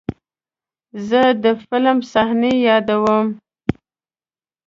زه د فلم صحنې یادوم.